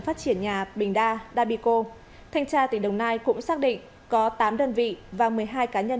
phát triển nhà bình đabico thanh tra tỉnh đồng nai cũng xác định có tám đơn vị và một mươi hai cá nhân